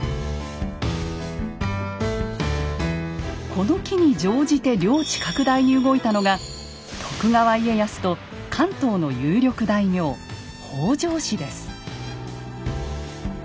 この機に乗じて領地拡大に動いたのが徳川家康と関東の有力大名北条氏です。